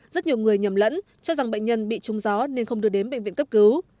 rất nhiều người nhầm lẫn cho rằng bệnh nhân bị trung gió nên không đưa đến bệnh viện cấp cứu